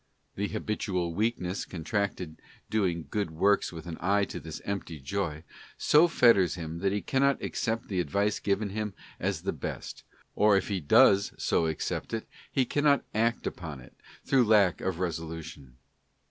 The habitual weakness contracted by doing good works with an eye to this empty joy, so fetters him that he cannot accept the advice given him as the best, or if he does so accept it he cannot act upon it, through lack of resolution.